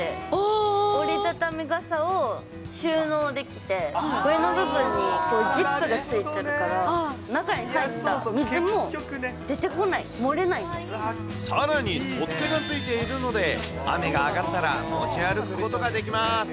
折り畳み傘を収納できて、上の部分にジップがついてるから、中に入った水も出てこない、さらに取っ手がついているので、雨が上がったら、持ち歩くことができます。